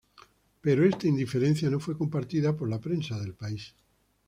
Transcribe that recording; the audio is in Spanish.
Pero esta indiferencia no fue compartida por la prensa del país.